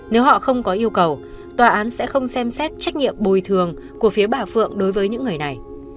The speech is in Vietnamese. nếu họ không có yêu cầu tòa án sẽ không xem xét trách nhiệm bồi thường của phía bà phượng đối với những người này